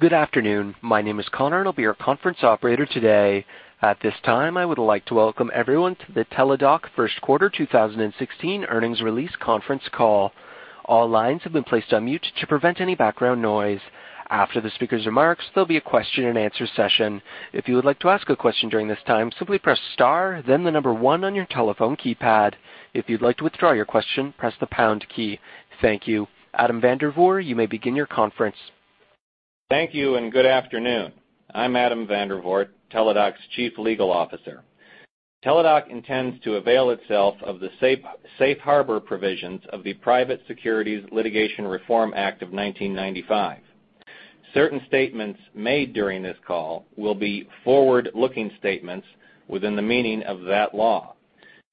Good afternoon. My name is Connor, and I'll be your conference operator today. At this time, I would like to welcome everyone to the Teladoc first quarter 2016 earnings release conference call. All lines have been placed on mute to prevent any background noise. After the speaker's remarks, there'll be a question and answer session. If you would like to ask a question during this time, simply press star, then the number one on your telephone keypad. If you'd like to withdraw your question, press the pound key. Thank you. Adam Vandervoort, you may begin your conference. Thank you. Good afternoon. I'm Adam Vandervoort, Teladoc's Chief Legal Officer. Teladoc intends to avail itself of the safe harbor provisions of the Private Securities Litigation Reform Act of 1995. Certain statements made during this call will be forward-looking statements within the meaning of that law.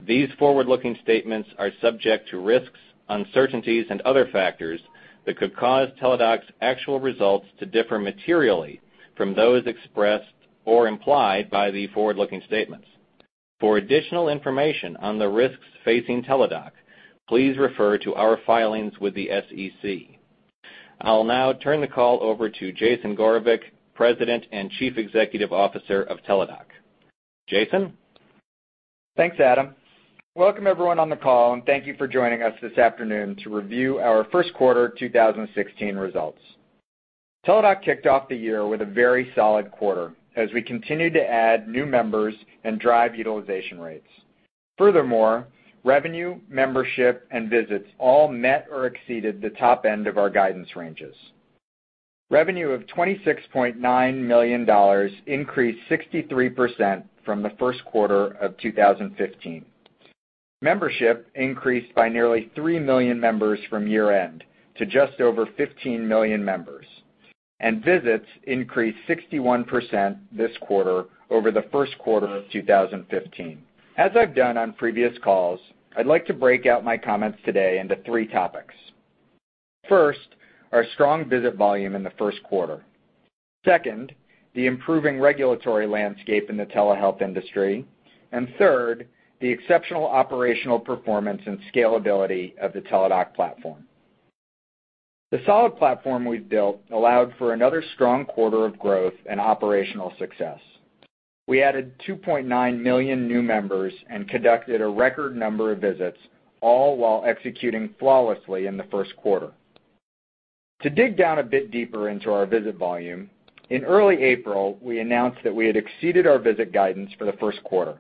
These forward-looking statements are subject to risks, uncertainties, and other factors that could cause Teladoc's actual results to differ materially from those expressed or implied by the forward-looking statements. For additional information on the risks facing Teladoc, please refer to our filings with the SEC. I'll now turn the call over to Jason Gorevic, President and Chief Executive Officer of Teladoc. Jason? Thanks, Adam. Welcome, everyone on the call, and thank you for joining us this afternoon to review our first quarter 2016 results. Teladoc kicked off the year with a very solid quarter as we continued to add new members and drive utilization rates. Furthermore, revenue, membership, and visits all met or exceeded the top end of our guidance ranges. Revenue of $26.9 million increased 63% from the first quarter of 2015. Membership increased by nearly 3 million members from year-end to just over 15 million members. Visits increased 61% this quarter over the first quarter of 2015. As I've done on previous calls, I'd like to break out my comments today into three topics. First, our strong visit volume in the first quarter. Second, the improving regulatory landscape in the telehealth industry. Third, the exceptional operational performance and scalability of the Teladoc platform. The solid platform we've built allowed for another strong quarter of growth and operational success. We added 2.9 million new members and conducted a record number of visits, all while executing flawlessly in the first quarter. To dig down a bit deeper into our visit volume, in early April, we announced that we had exceeded our visit guidance for the first quarter.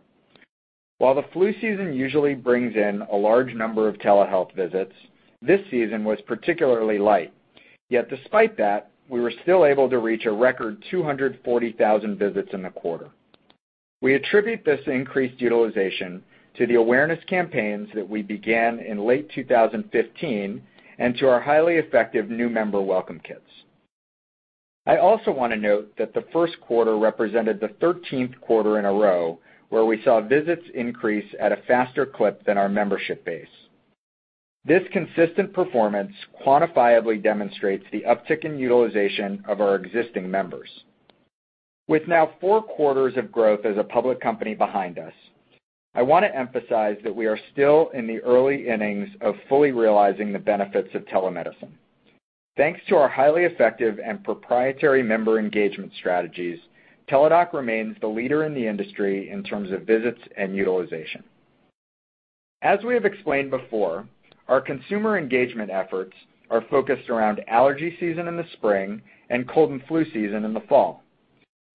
While the flu season usually brings in a large number of telehealth visits, this season was particularly light. Yet despite that, we were still able to reach a record 240,000 visits in the quarter. We attribute this increased utilization to the awareness campaigns that we began in late 2015 and to our highly effective new member welcome kits. I also want to note that the first quarter represented the 13th quarter in a row where we saw visits increase at a faster clip than our membership base. This consistent performance quantifiably demonstrates the uptick in utilization of our existing members. With now four quarters of growth as a public company behind us, I want to emphasize that we are still in the early innings of fully realizing the benefits of telemedicine. Thanks to our highly effective and proprietary member engagement strategies, Teladoc remains the leader in the industry in terms of visits and utilization. As we have explained before, our consumer engagement efforts are focused around allergy season in the spring and cold and flu season in the fall.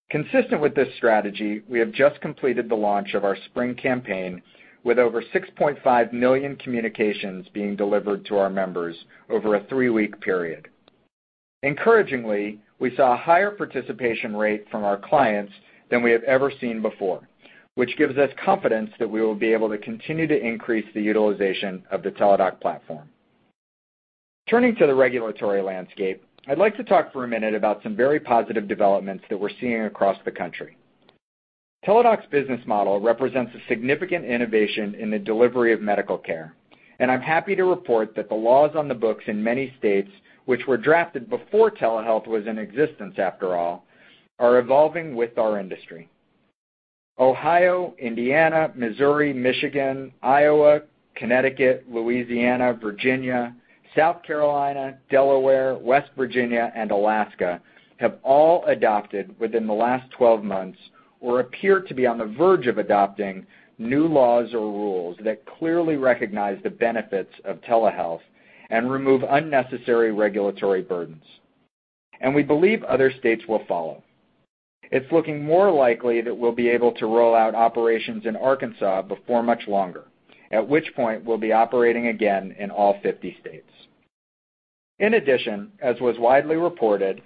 Consistent with this strategy, we have just completed the launch of our spring campaign with over 6.5 million communications being delivered to our members over a three-week period. Encouragingly, we saw a higher participation rate from our clients than we have ever seen before, which gives us confidence that we will be able to continue to increase the utilization of the Teladoc platform. Turning to the regulatory landscape, I'd like to talk for a minute about some very positive developments that we're seeing across the country. Teladoc's business model represents a significant innovation in the delivery of medical care, and I'm happy to report that the laws on the books in many states, which were drafted before telehealth was in existence after all, are evolving with our industry. Ohio, Indiana, Missouri, Michigan, Iowa, Connecticut, Louisiana, Virginia, South Carolina, Delaware, West Virginia, and Alaska have all adopted within the last 12 months or appear to be on the verge of adopting new laws or rules that clearly recognize the benefits of telehealth and remove unnecessary regulatory burdens. We believe other states will follow. It's looking more likely that we'll be able to roll out operations in Arkansas before much longer, at which point we'll be operating again in all 50 states. In addition, as was widely reported,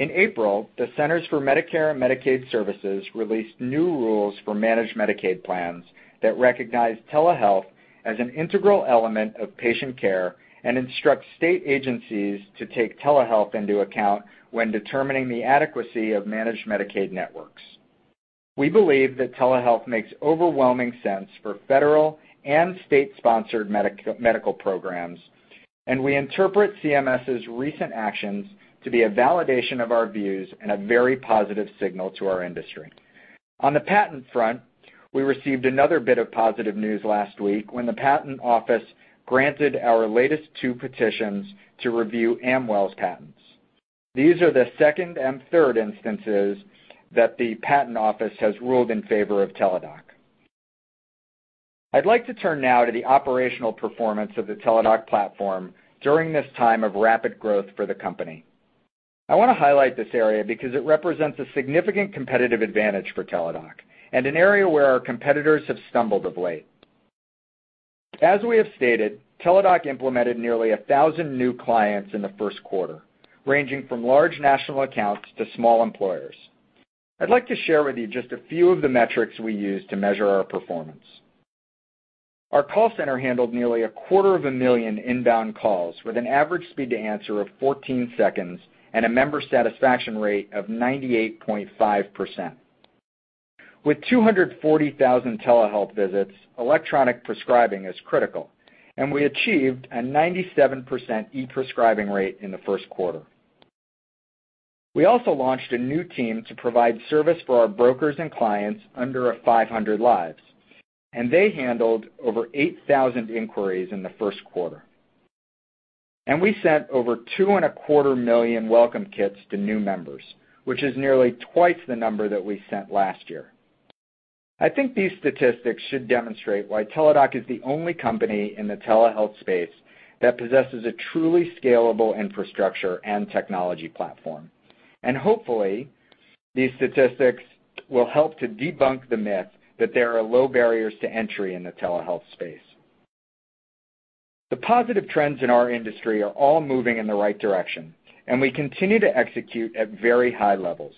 in April, the Centers for Medicare & Medicaid Services released new rules for managed Medicaid plans that recognize telehealth as an integral element of patient care and instruct state agencies to take telehealth into account when determining the adequacy of managed Medicaid networks. We believe that telehealth makes overwhelming sense for federal and state-sponsored medical programs, and we interpret CMS' recent actions to be a validation of our views and a very positive signal to our industry. On the patent front, we received another bit of positive news last week when the patent office granted our latest two petitions to review Amwell's patents. These are the second and third instances that the patent office has ruled in favor of Teladoc. I'd like to turn now to the operational performance of the Teladoc platform during this time of rapid growth for the company. I want to highlight this area because it represents a significant competitive advantage for Teladoc, and an area where our competitors have stumbled of late. As we have stated, Teladoc implemented nearly 1,000 new clients in the first quarter, ranging from large national accounts to small employers. I'd like to share with you just a few of the metrics we use to measure our performance. Our call center handled nearly a quarter of a million inbound calls with an average speed to answer of 14 seconds and a member satisfaction rate of 98.5%. With 240,000 telehealth visits, electronic prescribing is critical, and we achieved a 97% e-prescribing rate in the first quarter. We also launched a new team to provide service for our brokers and clients under 500 lives, and they handled over 8,000 inquiries in the first quarter. We sent over two and a quarter million welcome kits to new members, which is nearly twice the number that we sent last year. I think these statistics should demonstrate why Teladoc is the only company in the telehealth space that possesses a truly scalable infrastructure and technology platform. Hopefully, these statistics will help to debunk the myth that there are low barriers to entry in the telehealth space. The positive trends in our industry are all moving in the right direction, and we continue to execute at very high levels,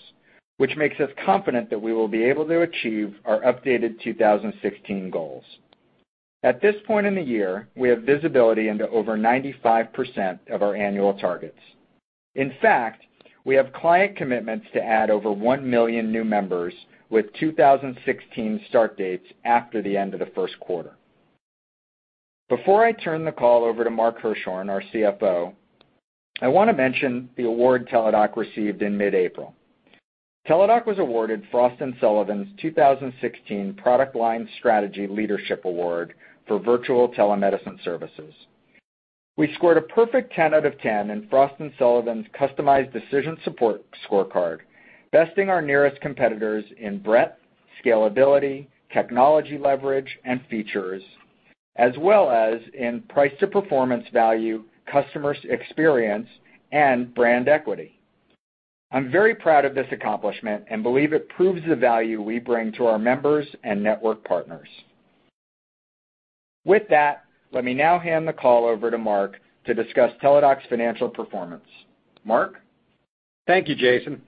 which makes us confident that we will be able to achieve our updated 2016 goals. At this point in the year, we have visibility into over 95% of our annual targets. In fact, we have client commitments to add over 1 million new members with 2016 start dates after the end of the first quarter. Before I turn the call over to Mark Hirschhorn, our CFO, I want to mention the award Teladoc received in mid-April. Teladoc was awarded Frost & Sullivan's 2016 Product Line Strategy Leadership Award for virtual telemedicine services. We scored a perfect 10 out of 10 in Frost & Sullivan's customized decision support scorecard, besting our nearest competitors in breadth, scalability, technology leverage, and features, as well as in price to performance value, customer experience, and brand equity. I'm very proud of this accomplishment and believe it proves the value we bring to our members and network partners. With that, let me now hand the call over to Mark to discuss Teladoc's financial performance. Mark? Thank you, Jason.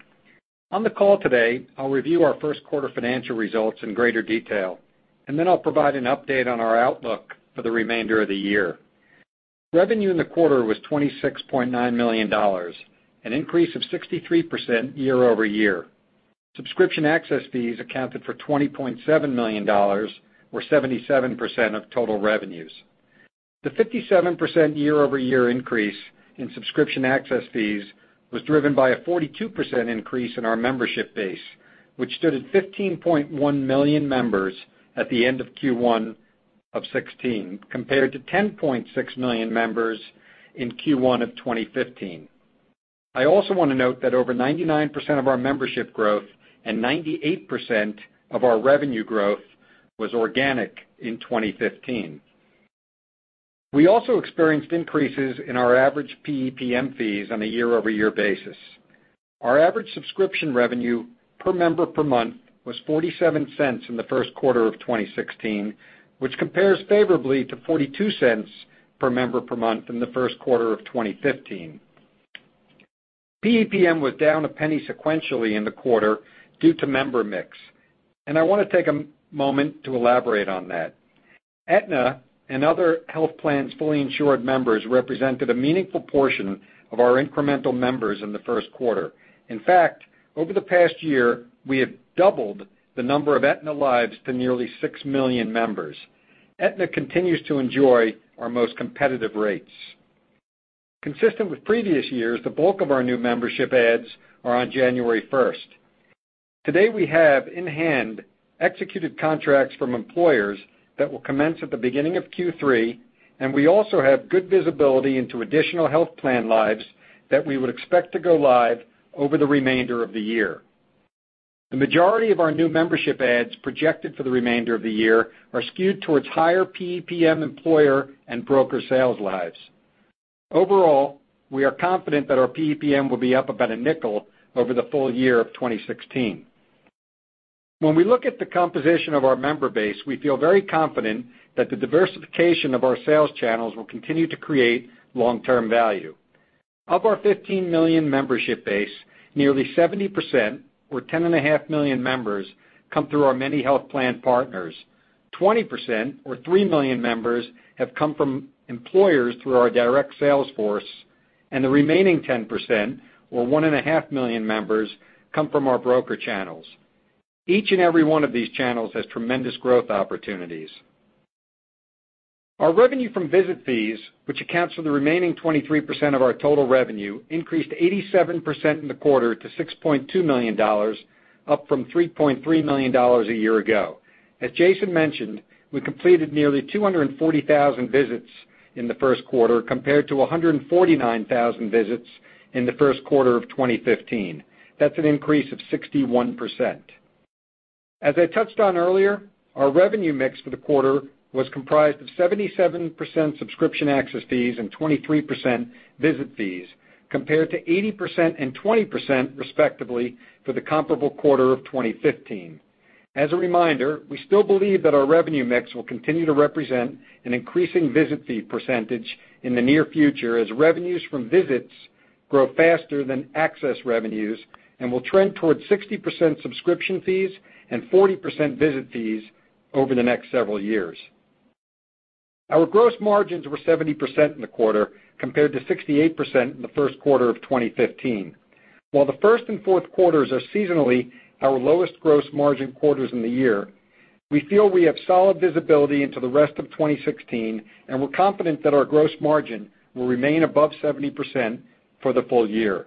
On the call today, I'll review our first quarter financial results in greater detail, and then I'll provide an update on our outlook for the remainder of the year. Revenue in the quarter was $26.9 million, an increase of 63% year-over-year. Subscription access fees accounted for $20.7 million, or 77% of total revenues. The 57% year-over-year increase in subscription access fees was driven by a 42% increase in our membership base, which stood at 15.1 million members at the end of Q1 of 2016, compared to 10.6 million members in Q1 of 2015. I also want to note that over 99% of our membership growth and 98% of our revenue growth was organic in 2015. We also experienced increases in our average PEPM fees on a year-over-year basis. Our average subscription revenue per member per month was $0.47 in the first quarter of 2016, which compares favorably to $0.42 per member per month in the first quarter of 2015. PEPM was down $0.01 sequentially in the quarter due to member mix, and I want to take a moment to elaborate on that. Aetna and other health plans' fully insured members represented a meaningful portion of our incremental members in the first quarter. In fact, over the past year, we have doubled the number of Aetna lives to nearly 6 million members. Aetna continues to enjoy our most competitive rates. Consistent with previous years, the bulk of our new membership adds are on January 1st. Today we have, in hand, executed contracts from employers that will commence at the beginning of Q3. We also have good visibility into additional health plan lives that we would expect to go live over the remainder of the year. The majority of our new membership adds projected for the remainder of the year are skewed towards higher PEPM employer and broker sales lives. Overall, we are confident that our PEPM will be up about $0.05 over the full year of 2016. When we look at the composition of our member base, we feel very confident that the diversification of our sales channels will continue to create long-term value. Of our 15 million membership base, nearly 70%, or 10.5 million members, come through our many health plan partners. 20%, or 3 million members, have come from employers through our direct sales force. The remaining 10%, or 1.5 million members, come from our broker channels. Each and every one of these channels has tremendous growth opportunities. Our revenue from visit fees, which accounts for the remaining 23% of our total revenue, increased 87% in the quarter to $6.2 million, up from $3.3 million a year ago. As Jason mentioned, we completed nearly 240,000 visits in the first quarter, compared to 149,000 visits in the first quarter of 2015. That's an increase of 61%. As I touched on earlier, our revenue mix for the quarter was comprised of 77% subscription access fees and 23% visit fees, compared to 80% and 20%, respectively, for the comparable quarter of 2015. As a reminder, we still believe that our revenue mix will continue to represent an increasing visit fee percentage in the near future, as revenues from visits grow faster than access revenues and will trend towards 60% subscription fees and 40% visit fees over the next several years. Our gross margins were 70% in the quarter, compared to 68% in the first quarter of 2015. While the first and fourth quarters are seasonally our lowest gross margin quarters in the year, we feel we have solid visibility into the rest of 2016. We're confident that our gross margin will remain above 70% for the full year.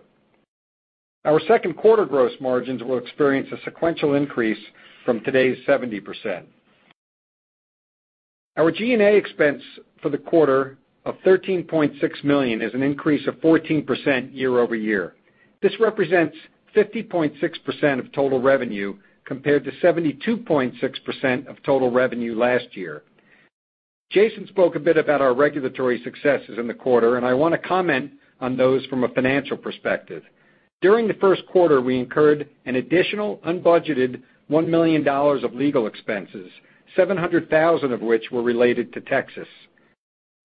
Our second quarter gross margins will experience a sequential increase from today's 70%. Our G&A expense for the quarter of $13.6 million is an increase of 14% year-over-year. This represents 50.6% of total revenue, compared to 72.6% of total revenue last year. Jason spoke a bit about our regulatory successes in the quarter, and I want to comment on those from a financial perspective. During the first quarter, we incurred an additional unbudgeted $1 million of legal expenses, 700,000 of which were related to Texas.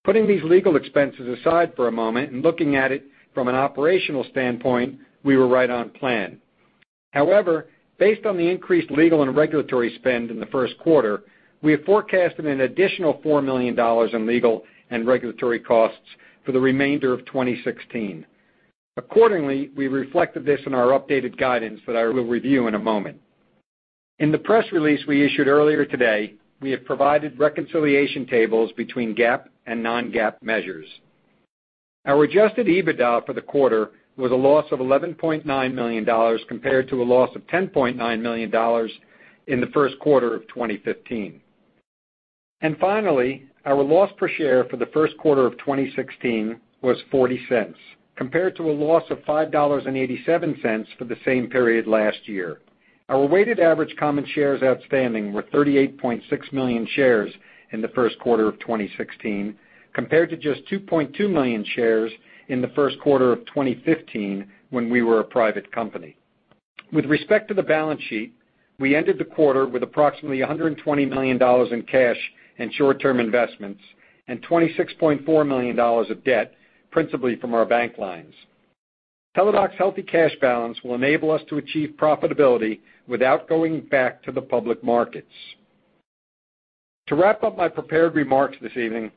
Putting these legal expenses aside for a moment and looking at it from an operational standpoint, we were right on plan. However, based on the increased legal and regulatory spend in the first quarter, we have forecasted an additional $4 million in legal and regulatory costs for the remainder of 2016. Accordingly, we reflected this in our updated guidance that I will review in a moment. In the press release we issued earlier today, we have provided reconciliation tables between GAAP and non-GAAP measures. Our adjusted EBITDA for the quarter was a loss of $11.9 million, compared to a loss of $10.9 million in the first quarter of 2015. Finally, our loss per share for the first quarter of 2016 was $0.40, compared to a loss of $5.87 for the same period last year. Our weighted average common shares outstanding were 38.6 million shares in the first quarter of 2016, compared to just 2.2 million shares in the first quarter of 2015, when we were a private company. With respect to the balance sheet, we ended the quarter with approximately $120 million in cash and short-term investments and $26.4 million of debt, principally from our bank lines. Teladoc's healthy cash balance will enable us to achieve profitability without going back to the public markets. To wrap up my prepared remarks this evening,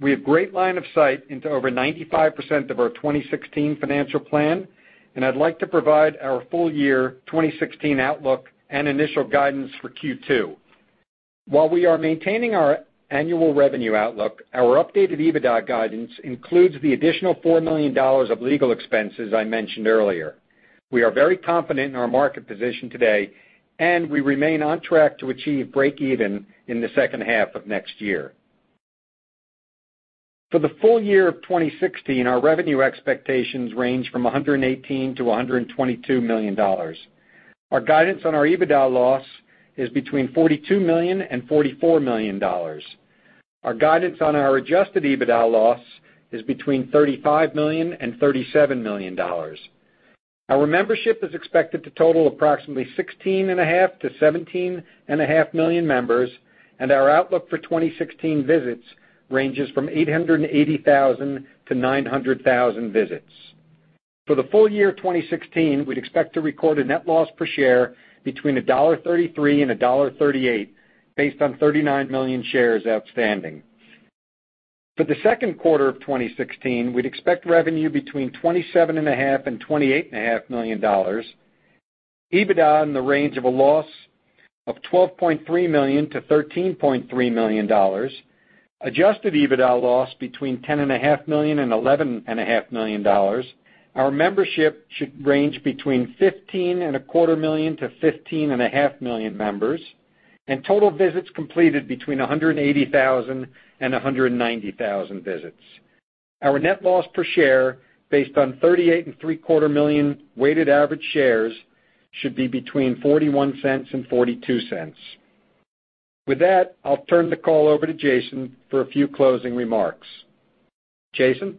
we have great line of sight into over 95% of our 2016 financial plan, and I'd like to provide our full year 2016 outlook and initial guidance for Q2. While we are maintaining our annual revenue outlook, our updated EBITDA guidance includes the additional $4 million of legal expenses I mentioned earlier. We are very confident in our market position today, and we remain on track to achieve breakeven in the second half of next year. For the full year of 2016, our revenue expectations range from $118 million-$122 million. Our guidance on our EBITDA loss is between $42 million and $44 million. Our guidance on our adjusted EBITDA loss is between $35 million and $37 million. Our membership is expected to total approximately 16.5 million to 17.5 million members, and our outlook for 2016 visits ranges from 880,000 to 900,000 visits. For the full year of 2016, we'd expect to record a net loss per share between $1.33 and $1.38, based on 39 million shares outstanding. For the second quarter of 2016, we'd expect revenue between $27.5 million and $28.5 million, EBITDA in the range of a loss of $12.3 million to $13.3 million, adjusted EBITDA loss between $10.5 million and $11.5 million. Our membership should range between 15.25 million to 15.5 million members, and total visits completed between 180,000 and 190,000 visits. Our net loss per share, based on 38.75 million weighted average shares, should be between $0.41 and $0.42. With that, I'll turn the call over to Jason for a few closing remarks. Jason?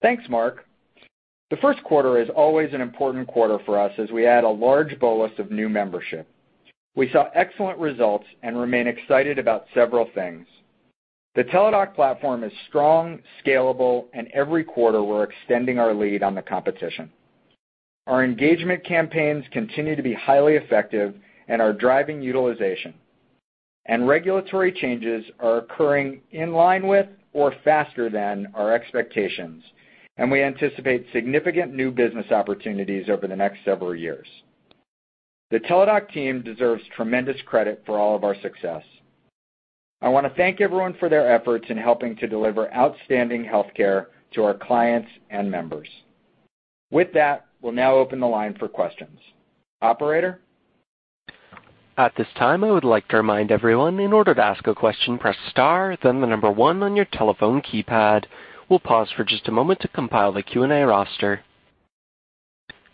Thanks, Mark. The first quarter is always an important quarter for us as we add a large bolus of new membership. We saw excellent results and remain excited about several things. The Teladoc platform is strong, scalable, and every quarter, we're extending our lead on the competition. Our engagement campaigns continue to be highly effective and are driving utilization. Regulatory changes are occurring in line with or faster than our expectations, and we anticipate significant new business opportunities over the next several years. The Teladoc team deserves tremendous credit for all of our success. I want to thank everyone for their efforts in helping to deliver outstanding healthcare to our clients and members. With that, we'll now open the line for questions. Operator? At this time, I would like to remind everyone, in order to ask a question, press star, then the number one on your telephone keypad. We'll pause for just a moment to compile the Q&A roster.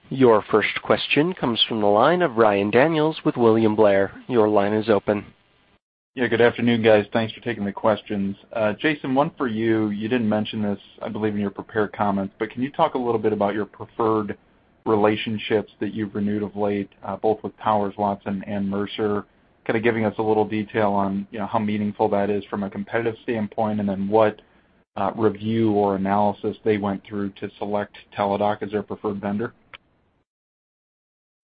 Your first question comes from the line of Ryan Daniels with William Blair. Your line is open. Yeah, good afternoon, guys. Thanks for taking the questions. Jason, one for you. You didn't mention this, I believe, in your prepared comments, but can you talk a little bit about your preferred relationships that you've renewed of late, both with Towers Watson and Mercer, kind of giving us a little detail on how meaningful that is from a competitive standpoint, and then what review or analysis they went through to select Teladoc as their preferred vendor?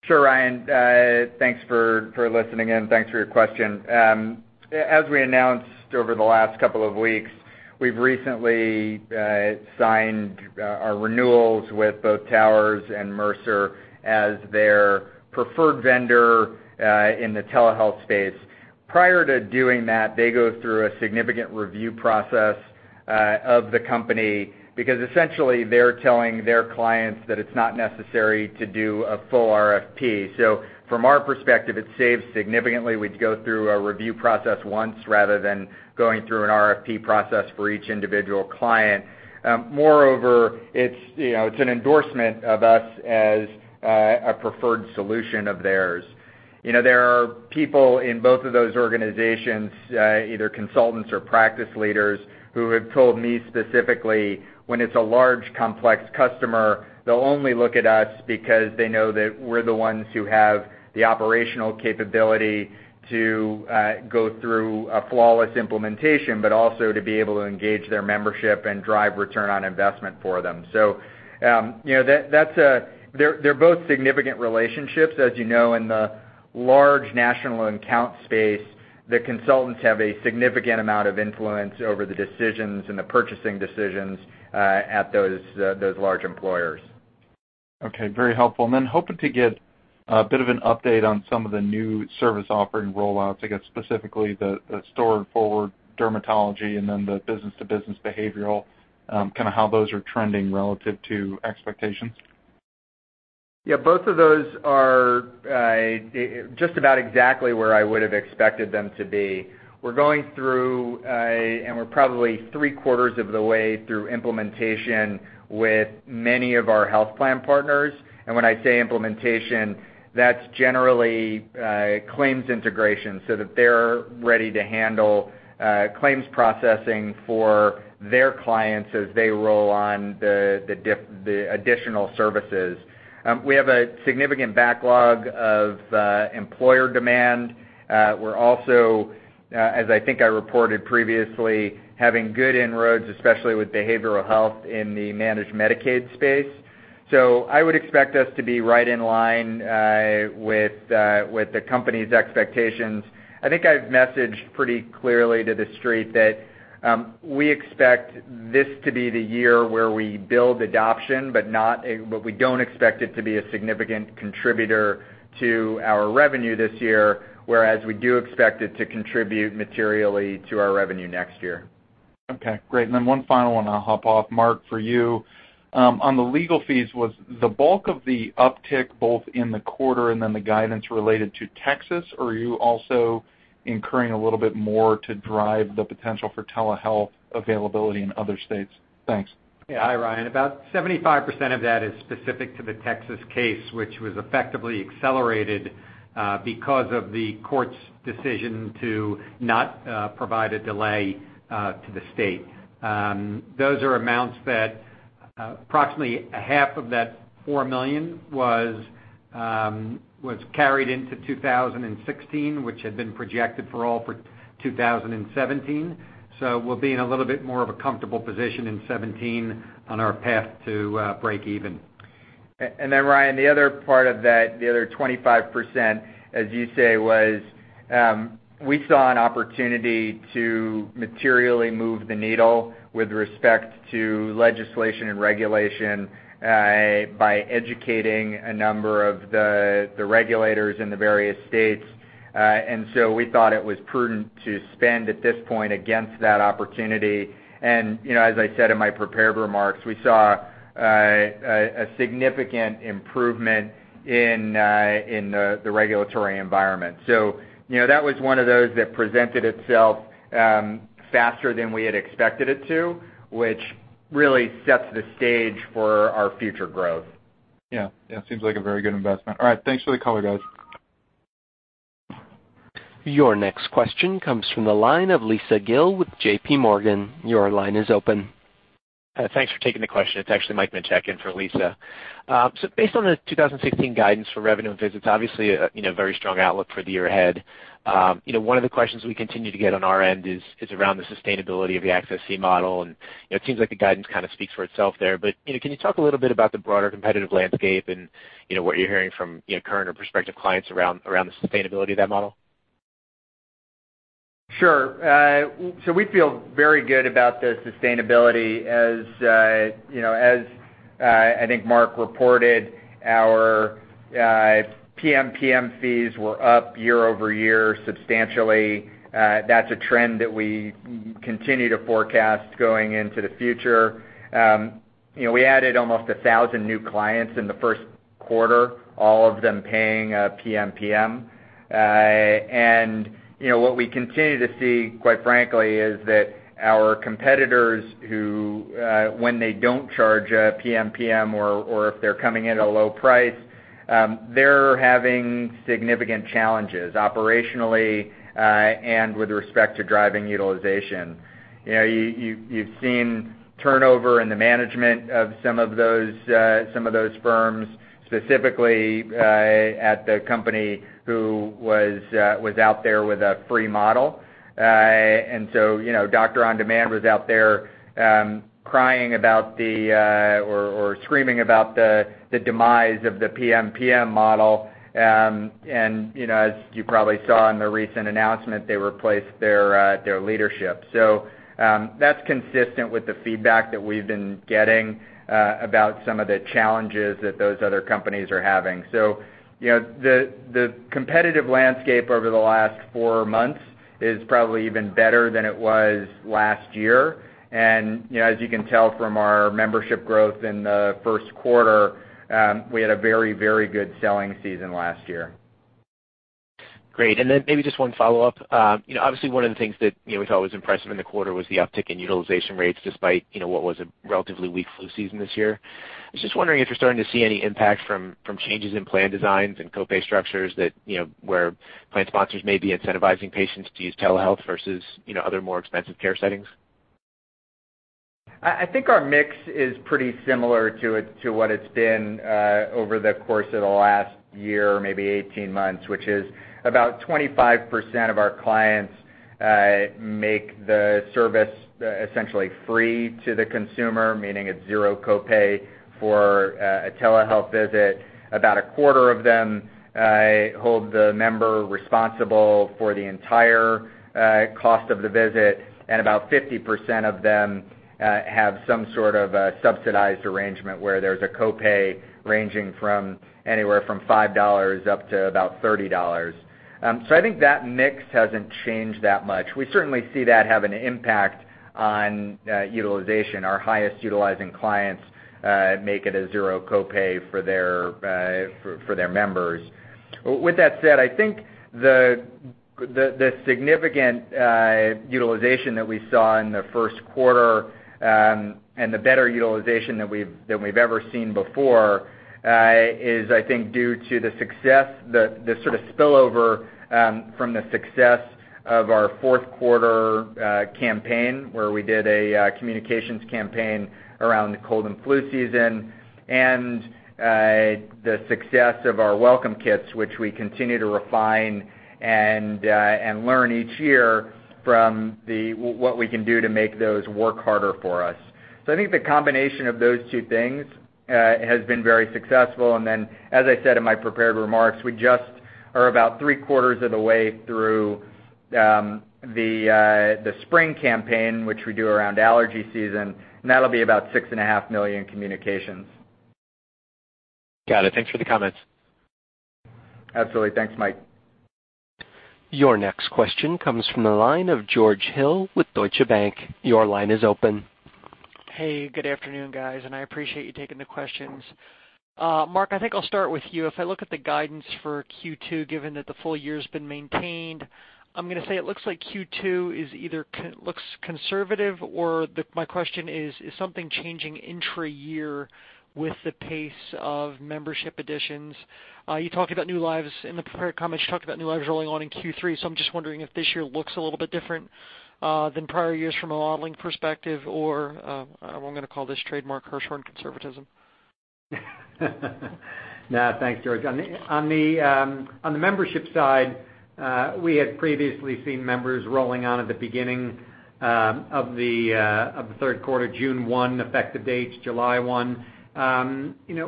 Sure, Ryan. Thanks for listening in. Thanks for your question. As we announced over the last couple of weeks, we've recently signed our renewals with both Towers and Mercer as their preferred vendor in the telehealth space. Prior to doing that, they go through a significant review process of the company, because essentially they're telling their clients that it's not necessary to do a full RFP. From our perspective, it saves significantly. We'd go through a review process once rather than going through an RFP process for each individual client. Moreover, it's an endorsement of us as a preferred solution of theirs. There are people in both of those organizations, either consultants or practice leaders, who have told me specifically when it's a large, complex customer, they'll only look at us because they know that we're the ones who have the operational capability to go through a flawless implementation, but also to be able to engage their membership and drive return on investment for them. They're both significant relationships. As you know, in the large national account space, the consultants have a significant amount of influence over the decisions and the purchasing decisions at those large employers. Okay. Very helpful. Hoping to get a bit of an update on some of the new service offering rollouts, I guess specifically the store-and-forward dermatology and then the business-to-business behavioral, how those are trending relative to expectations. Yeah, both of those are just about exactly where I would've expected them to be. We're going through, and we're probably three quarters of the way through implementation with many of our health plan partners. When I say implementation, that's generally claims integration so that they're ready to handle claims processing for their clients as they roll on the additional services. We have a significant backlog of employer demand. We're also, as I think I reported previously, having good inroads, especially with behavioral health in the managed Medicaid space. I would expect us to be right in line with the company's expectations. I think I've messaged pretty clearly to the Street that we expect this to be the year where we build adoption, but we don't expect it to be a significant contributor to our revenue this year, whereas we do expect it to contribute materially to our revenue next year. Okay. Great. One final one and I'll hop off. Mark, for you, on the legal fees, was the bulk of the uptick both in the quarter and the guidance related to Texas, or are you also incurring a little bit more to drive the potential for telehealth availability in other states? Thanks. Yeah. Hi, Ryan. About 75% of that is specific to the Texas case, which was effectively accelerated because of the court's decision to not provide a delay to the state. Those are amounts that approximately half of that $4 million was carried into 2016, which had been projected for all for 2017. We'll be in a little bit more of a comfortable position in 2017 on our path to break even. Ryan, the other part of that, the other 25%, as you say, was we saw an opportunity to materially move the needle with respect to legislation and regulation by educating a number of the regulators in the various states. We thought it was prudent to spend at this point against that opportunity. As I said in my prepared remarks, we saw a significant improvement in the regulatory environment. That was one of those that presented itself faster than we had expected it to, which really sets the stage for our future growth. Yeah. It seems like a very good investment. All right. Thanks for the color, guys. Your next question comes from the line of Lisa Gill with JPMorgan. Your line is open. Thanks for taking the question. It's actually Michael Minchak for Lisa. Based on the 2016 guidance for revenue and visits, obviously very strong outlook for the year ahead. One of the questions we continue to get on our end is around the sustainability of the access fee model, it seems like the guidance kind of speaks for itself there. Can you talk a little bit about the broader competitive landscape and what you're hearing from current or prospective clients around the sustainability of that model? Sure. We feel very good about the sustainability. As I think Mark reported, our PM PM fees were up year-over-year substantially. That's a trend that we continue to forecast going into the future. We added almost 1,000 new clients in the first quarter, all of them paying PM PM. What we continue to see, quite frankly, is that our competitors who, when they don't charge PM PM, or if they're coming in at a low price, they're having significant challenges operationally, and with respect to driving utilization. You've seen turnover in the management of some of those firms, specifically at the company who was out there with a free model. Doctor On Demand was out there crying about the, or screaming about the demise of the PM PM model. As you probably saw in the recent announcement, they replaced their leadership. That's consistent with the feedback that we've been getting about some of the challenges that those other companies are having. The competitive landscape over the last four months is probably even better than it was last year. As you can tell from our membership growth in the first quarter, we had a very good selling season last year. Great. Maybe just one follow-up. Obviously, one of the things that we thought was impressive in the quarter was the uptick in utilization rates, despite what was a relatively weak flu season this year. I was just wondering if you're starting to see any impact from changes in plan designs and copay structures where plan sponsors may be incentivizing patients to use telehealth versus other more expensive care settings. I think our mix is pretty similar to what it's been over the course of the last year, maybe 18 months, which is about 25% of our clients make the service essentially free to the consumer, meaning it's zero copay for a telehealth visit. About a quarter of them hold the member responsible for the entire cost of the visit, and about 50% of them have some sort of a subsidized arrangement where there's a copay ranging from anywhere from $5 up to about $30. I think that mix hasn't changed that much. We certainly see that have an impact on utilization. Our highest utilizing clients make it a zero copay for their members. With that said, I think the significant utilization that we saw in the first quarter, and the better utilization than we've ever seen before, is I think due to the success, the sort of spillover from the success of our fourth quarter campaign, where we did a communications campaign around the cold and flu season. The success of our welcome kits, which we continue to refine and learn each year from what we can do to make those work harder for us. I think the combination of those two things has been very successful. Then, as I said in my prepared remarks, we just are about three-quarters of the way through the spring campaign, which we do around allergy season, and that'll be about 6.5 million communications. Got it. Thanks for the comments. Absolutely. Thanks, Mike. Your next question comes from the line of George Hill with Deutsche Bank. Your line is open. Hey, good afternoon, guys. I appreciate you taking the questions. Mark, I think I'll start with you. If I look at the guidance for Q2, given that the full year's been maintained, I'm going to say it looks like Q2 either looks conservative or my question is something changing intra-year with the pace of membership additions? In the prepared comments, you talked about new lives rolling on in Q3, so I'm just wondering if this year looks a little bit different than prior years from a modeling perspective or, I'm going to call this trademark Hirschhorn conservatism. No, thanks, George. On the membership side, we had previously seen members rolling on at the beginning of the third quarter, June 1 effective dates, July 1.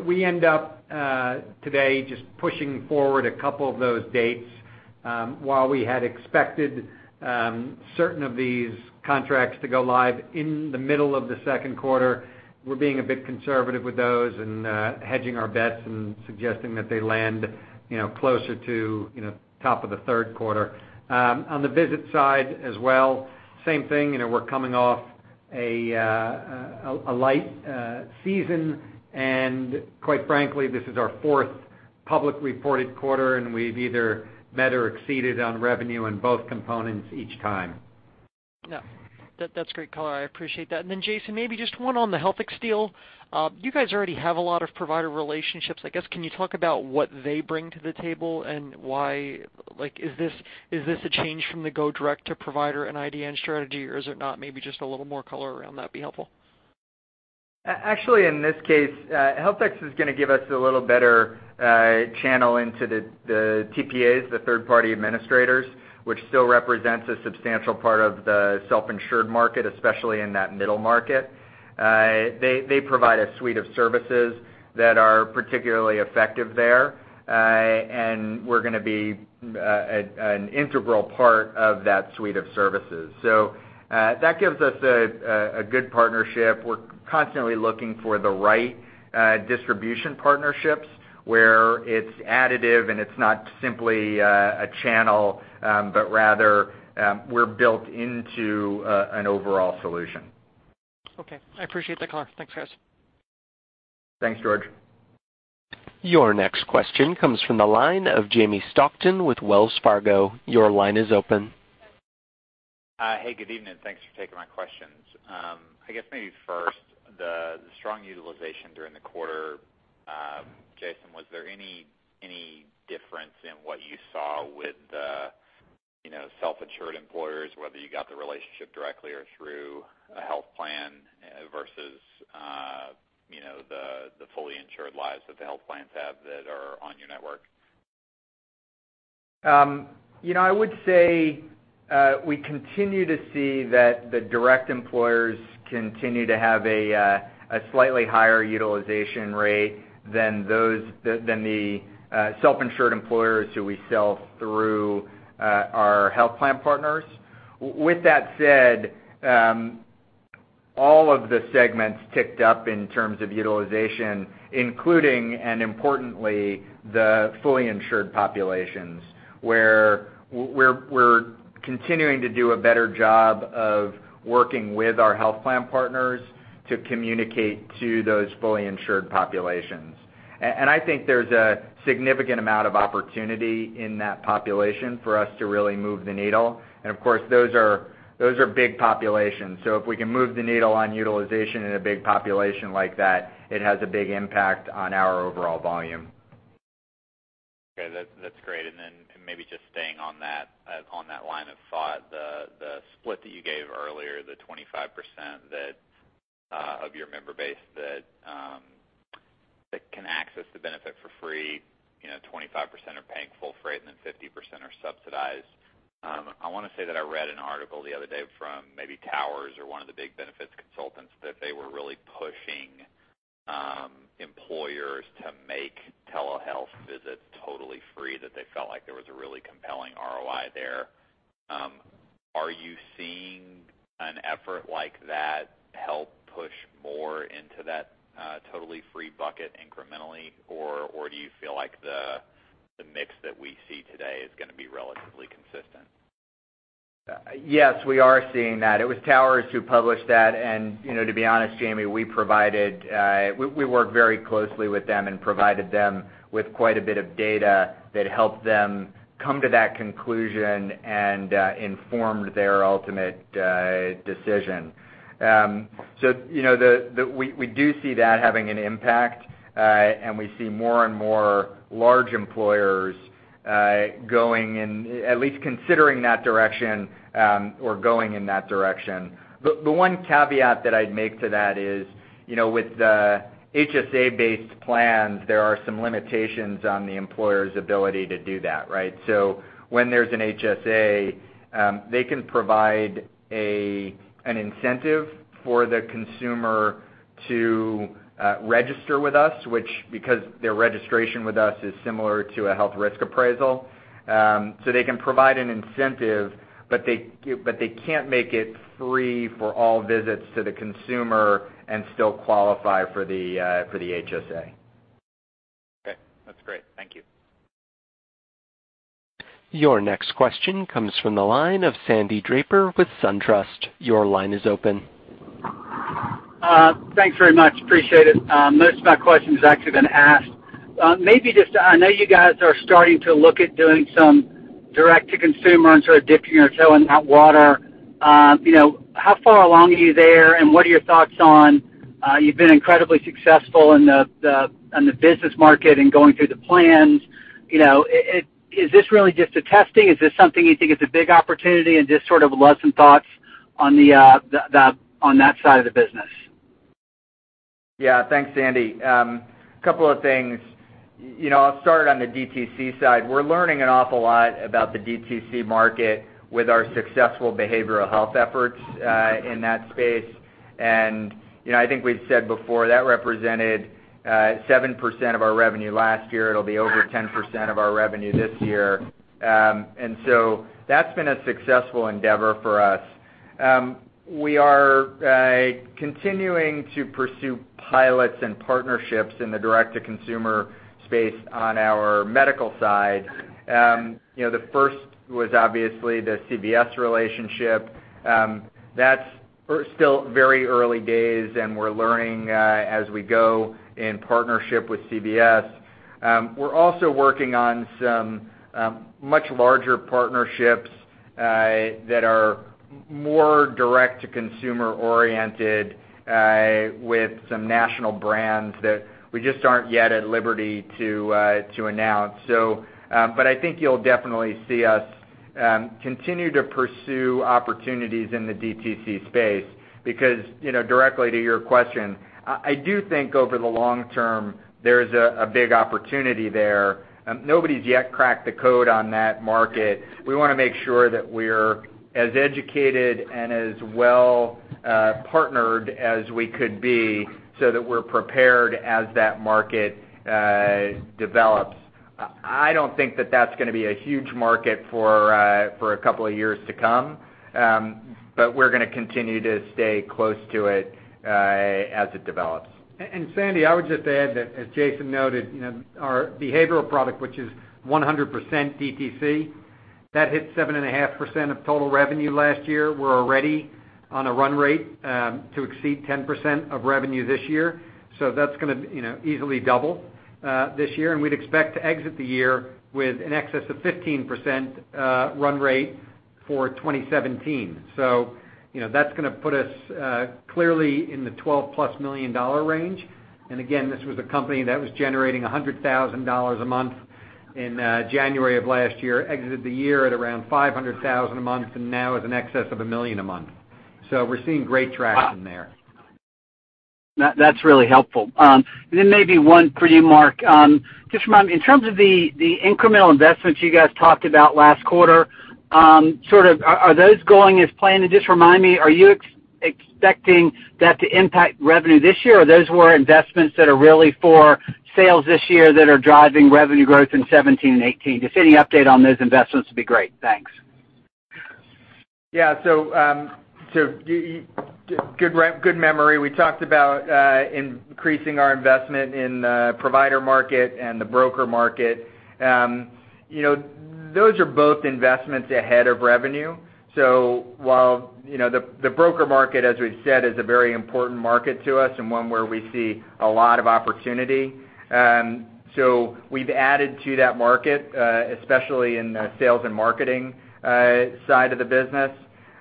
We end up today just pushing forward a couple of those dates. While we had expected certain of these contracts to go live in the middle of the second quarter, we're being a bit conservative with those and hedging our bets and suggesting that they land closer to top of the third quarter. On the visit side as well, same thing. We're coming off a light season. Quite frankly, this is our fourth publicly reported quarter. We've either met or exceeded on revenue on both components each time. No, that's great color. I appreciate that. Jason, maybe just one on the Healthx deal. You guys already have a lot of provider relationships, I guess, can you talk about what they bring to the table and why, is this a change from the go-direct-to-provider and IDN strategy, or is it not? Maybe just a little more color around that would be helpful. Actually, in this case, Healthx is going to give us a little better channel into the TPAs, the Third-Party Administrators, which still represents a substantial part of the self-insured market, especially in that middle market. They provide a suite of services that are particularly effective there. We're going to be an integral part of that suite of services. That gives us a good partnership. We're constantly looking for the right distribution partnerships where it's additive and it's not simply a channel, but rather, we're built into an overall solution. Okay. I appreciate the call. Thanks, guys. Thanks, George. Your next question comes from the line of Jamie Stockton with Wells Fargo. Your line is open. Hey, good evening. Thanks for taking my questions. I guess maybe first, the strong utilization during the quarter, Jason, was there any difference in what you saw with self-insured employers, whether you got the relationship directly or through a health plan versus the fully insured lives that the health plans have that are on your network? I would say we continue to see that the direct employers continue to have a slightly higher utilization rate than the self-insured employers who we sell through our health plan partners. With that said, all of the segments ticked up in terms of utilization, including, and importantly, the fully insured populations, where we're continuing to do a better job of working with our health plan partners to communicate to those fully insured populations. I think there's a significant amount of opportunity in that population for us to really move the needle. Of course, those are big populations. If we can move the needle on utilization in a big population like that, it has a big impact on our overall volume. Okay. That's great. Then maybe just staying on that line of thought, the split that you gave earlier, the 25% of your member base that can access the benefit for free, 25% are paying full freight, then 50% are subsidized. I want to say that I read an article the other day from maybe Towers or one of the big benefits consultants, that they were really pushing employers to make telehealth visits totally free, that they felt like there was a really compelling ROI there. Are you seeing an effort like that help push more into that totally free bucket incrementally? Or do you feel like the mix that we see today is going to be relatively consistent? Yes, we are seeing that. It was Towers who published that, and to be honest, Jamie, we work very closely with them and provided them with quite a bit of data that helped them come to that conclusion and informed their ultimate decision. We do see that having an impact, and we see more and more large employers at least considering that direction, or going in that direction. The one caveat that I'd make to that is, with the HSA-based plans, there are some limitations on the employer's ability to do that. Right? When there's an HSA, they can provide an incentive for the consumer to register with us, which because their registration with us is similar to a health risk appraisal. They can provide an incentive, but they can't make it free for all visits to the consumer and still qualify for the HSA. Okay. That's great. Thank you. Your next question comes from the line of Sandy Draper with SunTrust. Your line is open. Thanks very much. Appreciate it. Most of my question has actually been asked. I know you guys are starting to look at doing some direct to consumer and sort of dipping your toe in that water. How far along are you there, and what are your thoughts? You've been incredibly successful on the business market and going through the plans. Is this really just a testing? Is this something you think is a big opportunity, and just sort of latest thoughts on that side of the business? Thanks, Sandy. Couple of things. I'll start on the DTC side. We're learning an awful lot about the DTC market with our successful behavioral health efforts in that space. I think we've said before, that represented 7% of our revenue last year. It'll be over 10% of our revenue this year. That's been a successful endeavor for us. We are continuing to pursue pilots and partnerships in the direct to consumer space on our medical side. The first was obviously the CVS relationship. That's still very early days, and we're learning as we go in partnership with CVS. We're also working on some much larger partnerships that are more direct to consumer oriented with some national brands that we just aren't yet at liberty to announce. I think you'll definitely see us continue to pursue opportunities in the DTC space, because directly to your question, I do think over the long term, there's a big opportunity there. Nobody's yet cracked the code on that market. We want to make sure that we're as educated and as well-partnered as we could be so that we're prepared as that market develops. I don't think that that's going to be a huge market for a couple of years to come, but we're going to continue to stay close to it as it develops. Sandy, I would just add that, as Jason noted, our behavioral product, which is 100% DTC, that hit 7.5% of total revenue last year. We're already on a run rate to exceed 10% of revenue this year. That's going to easily double this year, and we'd expect to exit the year with in excess of 15% run rate for 2017. That's going to put us clearly in the $12+ million range. Again, this was a company that was generating $100,000 a month in January of last year, exited the year at around 500,000 a month, and now is in excess of $1 million a month. We're seeing great traction there. That's really helpful. Maybe one for you, Mark. Just remind me, in terms of the incremental investments you guys talked about last quarter, are those going as planned? Just remind me, are you expecting that to impact revenue this year, or those were investments that are really for sales this year that are driving revenue growth in 2017 and 2018? Just any update on those investments would be great. Thanks. Yeah. Good memory. We talked about increasing our investment in the provider market and the broker market. Those are both investments ahead of revenue. While the broker market, as we've said, is a very important market to us and one where we see a lot of opportunity. We've added to that market, especially in the sales and marketing side of the business.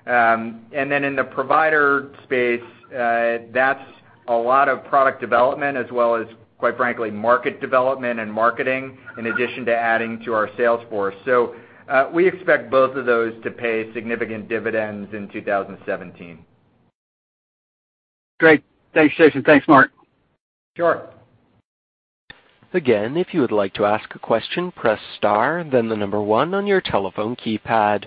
Then in the provider space, that's a lot of product development as well as, quite frankly, market development and marketing, in addition to adding to our sales force. We expect both of those to pay significant dividends in 2017. Great. Thanks, Jason. Thanks, Mark. Sure. Again, if you would like to ask a question, press star, then the number 1 on your telephone keypad.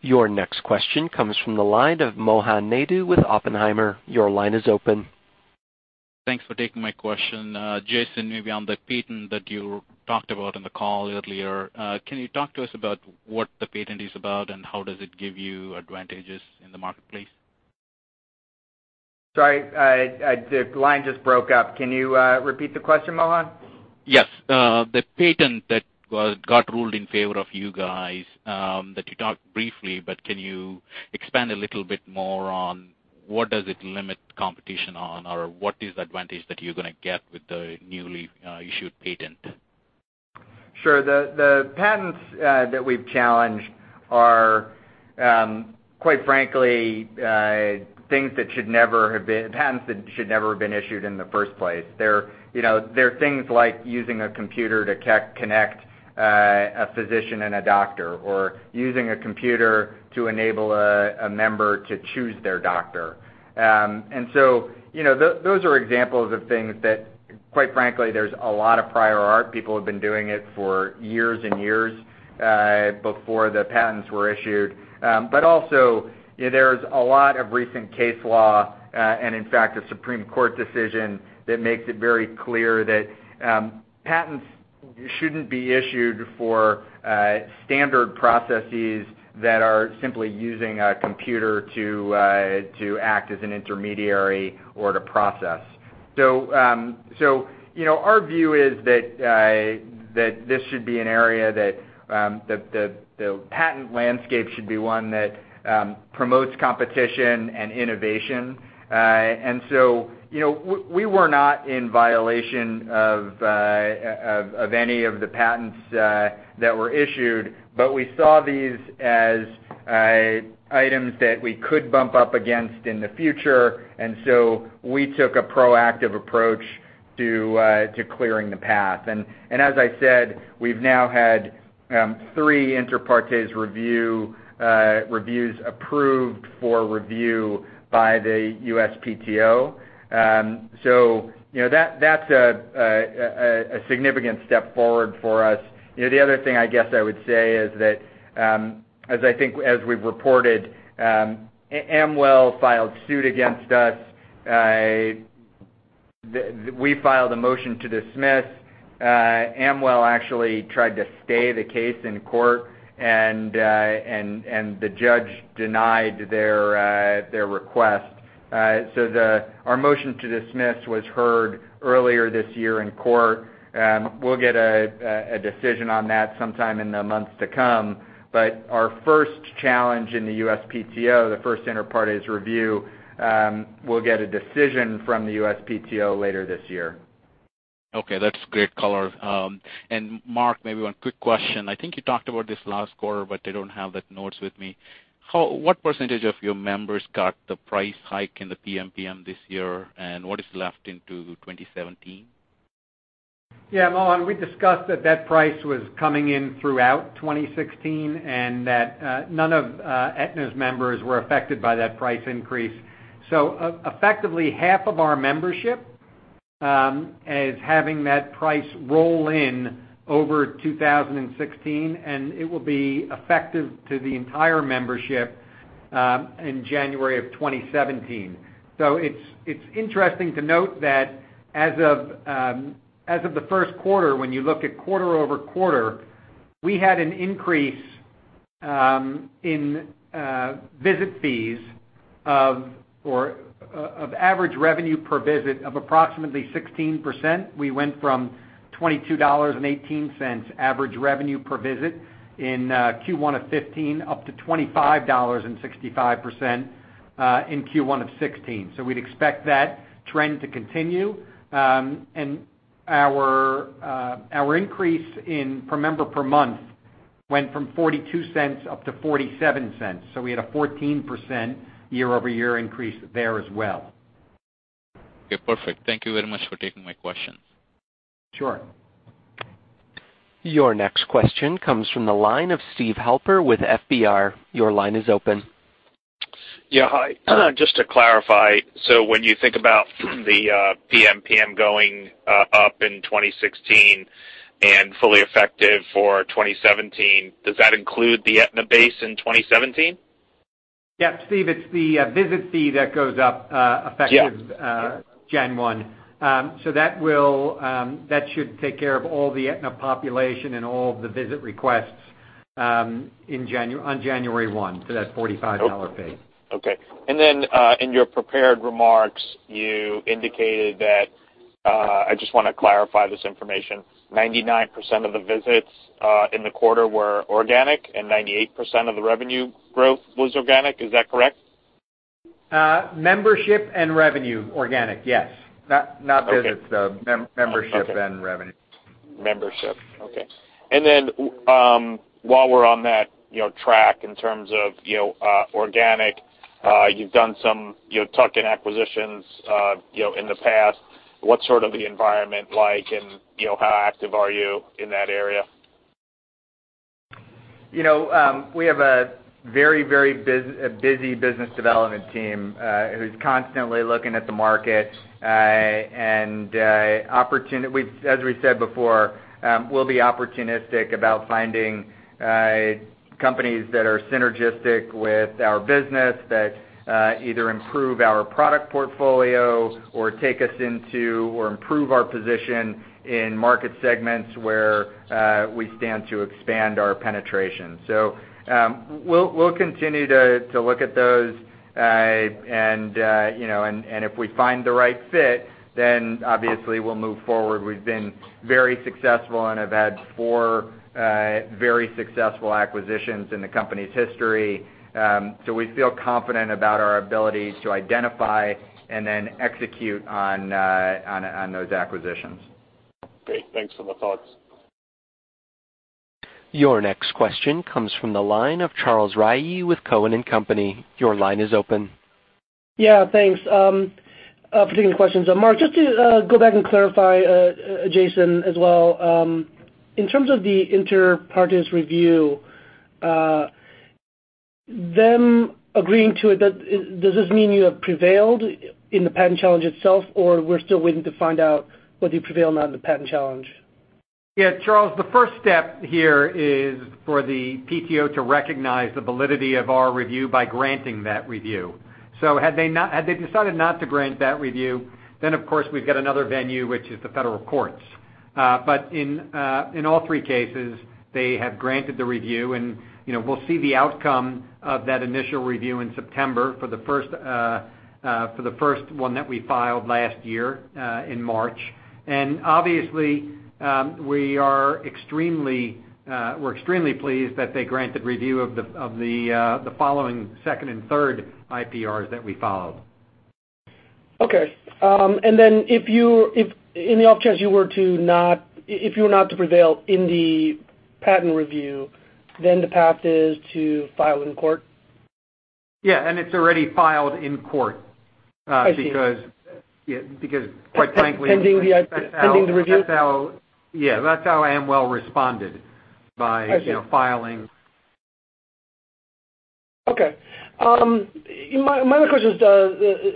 Your next question comes from the line of Mohan Naidu with Oppenheimer. Your line is open. Thanks for taking my question. Jason, maybe on the patent that you talked about on the call earlier, can you talk to us about what the patent is about, and how does it give you advantages in the marketplace? Sorry, the line just broke up. Can you repeat the question, Mohan? Yes. The patent that got ruled in favor of you guys, that you talked briefly, but can you expand a little bit more on what does it limit competition on or what is the advantage that you're going to get with the newly issued patent? Sure. The patents that we've challenged are, quite frankly, patents that should never have been issued in the first place. They're things like using a computer to connect a physician and a doctor or using a computer to enable a member to choose their doctor. Those are examples of things that, quite frankly, there's a lot of prior art. People have been doing it for years and years before the patents were issued. There's a lot of recent case law, and in fact, a Supreme Court decision that makes it very clear that patents shouldn't be issued for standard processes that are simply using a computer to act as an intermediary or to process. Our view is that the patent landscape should be one that promotes competition and innovation. We were not in violation of any of the patents that were issued, but we saw these as items that we could bump up against in the future. We took a proactive approach to clearing the path. As I said, we've now had three inter partes reviews approved for review by the USPTO. That's a significant step forward for us. The other thing I guess I would say is that, as we've reported, Amwell filed suit against us. We filed a motion to dismiss. Amwell actually tried to stay the case in court, and the judge denied their request. Our motion to dismiss was heard earlier this year in court. We'll get a decision on that sometime in the months to come. Our first challenge in the USPTO, the first inter partes review, we'll get a decision from the USPTO later this year. Okay. That's great color. Mark, maybe one quick question. I think you talked about this last quarter, but I don't have the notes with me. What % of your members got the price hike in the PMPM this year, and what is left into 2017? Mohan, we discussed that that price was coming in throughout 2016, and that none of Aetna's members were affected by that price increase. Effectively, half of our membership is having that price roll in over 2016, and it will be effective to the entire membership in January of 2017. It's interesting to note that as of the first quarter, when you look at quarter-over-quarter, we had an increase in visit fees of average revenue per visit of approximately 16%. We went from $22.18 average revenue per visit in Q1 2015 up to $25.65 in Q1 2016. We'd expect that trend to continue. Our increase in per member per month went from $0.42 up to $0.47. We had a 14% year-over-year increase there as well. Okay, perfect. Thank you very much for taking my question. Sure. Your next question comes from the line of Steven Halper with FBR. Your line is open. Yeah, hi. Just to clarify, when you think about the PEPM going up in 2016 and fully effective for 2017, does that include the Aetna base in 2017? Yeah, Steve, it's the visit fee that goes up effective- Yeah January 1. That should take care of all the Aetna population and all of the visit requests on January 1, so that $45 fee. Okay. In your prepared remarks, you indicated that, I just want to clarify this information, 99% of the visits, in the quarter were organic, and 98% of the revenue growth was organic. Is that correct? Membership and revenue organic, yes. Not visits, though. Okay. Membership and revenue. Membership. Okay. While we're on that track in terms of organic, you've done some tuck-in acquisitions in the past. What's sort of the environment like, and how active are you in that area? We have a very busy business development team who's constantly looking at the market. As we said before, we'll be opportunistic about finding companies that are synergistic with our business that either improve our product portfolio or take us into or improve our position in market segments where we stand to expand our penetration. We'll continue to look at those, and if we find the right fit, obviously we'll move forward. We've been very successful and have had four very successful acquisitions in the company's history. We feel confident about our ability to identify and then execute on those acquisitions. Great. Thanks for the thoughts. Your next question comes from the line of Charles Rhyee with Cowen and Company. Your line is open. Thanks for taking the questions. Mark, just to go back and clarify, Jason as well, in terms of the inter partes review, them agreeing to it, does this mean you have prevailed in the patent challenge itself, or we're still waiting to find out whether you prevailed or not in the patent challenge? Charles, the first step here is for the PTO to recognize the validity of our review by granting that review. Had they decided not to grant that review, then of course, we've got another venue, which is the federal courts. In all three cases, they have granted the review, and we'll see the outcome of that initial review in September for the first one that we filed last year in March. Obviously, we're extremely pleased that they granted review of the following second and third IPRs that we filed. Okay. If in the off chance if you were not to prevail in the patent review, then the path is to file in court? It's already filed in court. I see. Because quite. Pending the review? Yeah. That's how Amwell responded. I see. filing. Okay. My other question is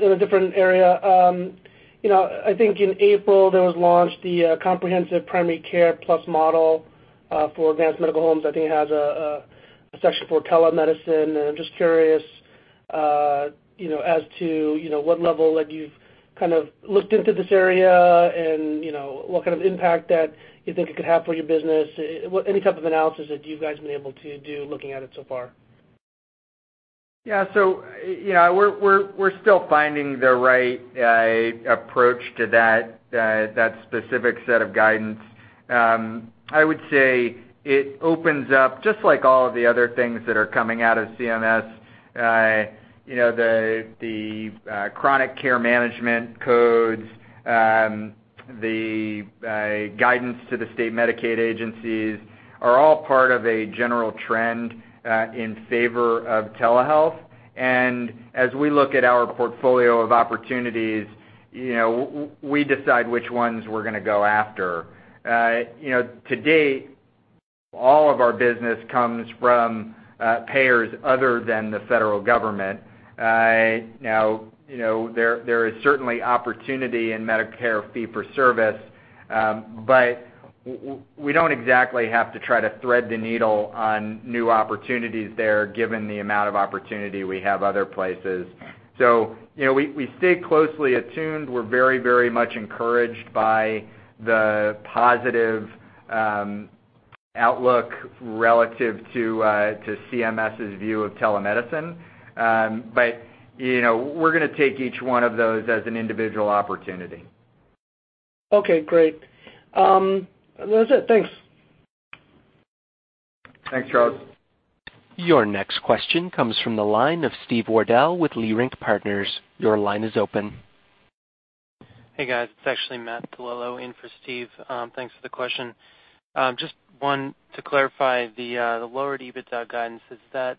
in a different area. I think in April there was launched the Comprehensive Primary Care Plus model for advanced medical homes. I think it has a section for telemedicine, and I'm just curious as to what level that you've kind of looked into this area and what kind of impact that you think it could have for your business. Any type of analysis that you guys have been able to do looking at it so far? Yeah. We're still finding the right approach to that specific set of guidance. I would say it opens up just like all of the other things that are coming out of CMS. The chronic care management codes, the guidance to the state Medicaid agencies are all part of a general trend in favor of telehealth. As we look at our portfolio of opportunities, we decide which ones we're going to go after. To date, all of our business comes from payers other than the federal government. Now, there is certainly opportunity in Medicare fee-for-service, we don't exactly have to try to thread the needle on new opportunities there, given the amount of opportunity we have other places. We stay closely attuned. We're very much encouraged by the positive outlook relative to CMS's view of telemedicine. We're going to take each one of those as an individual opportunity. Okay, great. Well, that's it. Thanks. Thanks, Charles. Your next question comes from the line of Steven Wardell with Leerink Partners. Your line is open. Hey, guys. It's actually Matthew DiLello in for Steve. Thanks for the question. Just one to clarify the lowered EBITDA guidance. Is that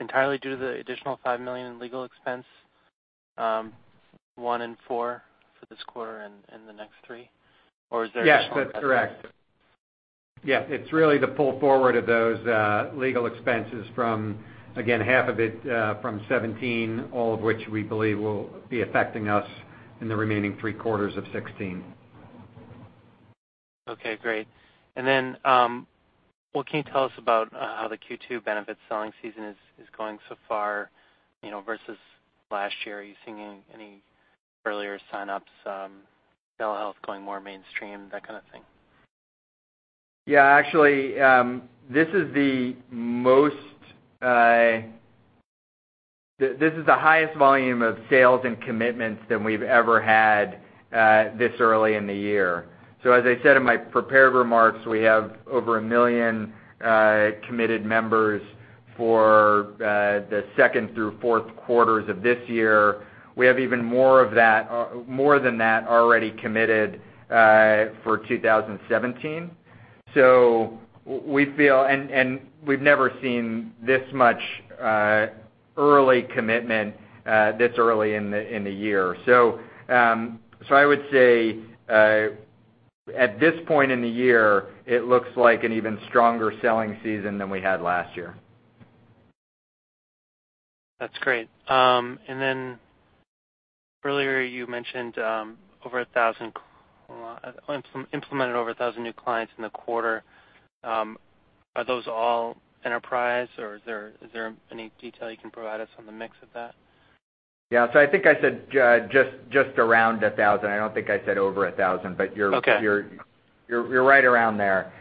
entirely due to the additional $5 million in legal expense, one in four for this quarter and the next three, or is there? Yes, that's correct. Yeah, it's really the pull forward of those legal expenses from, again, half of it from 2017, all of which we believe will be affecting us in the remaining three quarters of 2016. Okay, great. What can you tell us about how the Q2 benefit selling season is going so far, versus last year? Are you seeing any earlier sign-ups, telehealth going more mainstream, that kind of thing? Yeah, actually, this is the highest volume of sales and commitments than we've ever had this early in the year. As I said in my prepared remarks, we have over 1 million committed members for the second through fourth quarters of this year. We have even more than that already committed for 2017. We've never seen this much early commitment this early in the year. I would say, at this point in the year, it looks like an even stronger selling season than we had last year. That's great. Earlier you mentioned implemented over 1,000 new clients in the quarter. Are those all enterprise, or is there any detail you can provide us on the mix of that? Yeah. I think I said just around 1,000. I don't think I said over 1,000. Okay you're right around there.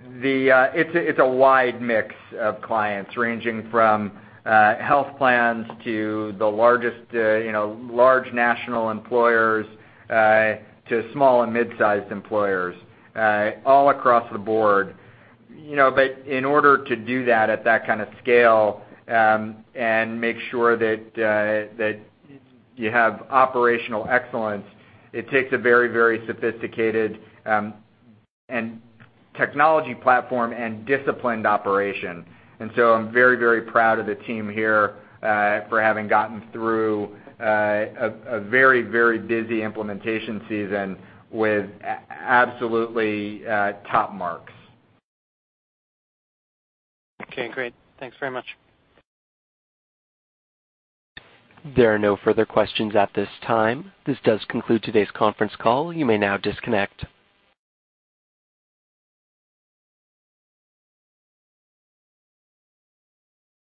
It's a wide mix of clients ranging from health plans to the large national employers, to small and mid-sized employers, all across the board. In order to do that at that kind of scale and make sure that you have operational excellence, it takes a very sophisticated technology platform and disciplined operation. I'm very proud of the team here for having gotten through a very busy implementation season with absolutely top marks. Okay, great. Thanks very much. There are no further questions at this time. This does conclude today's conference call. You may now disconnect.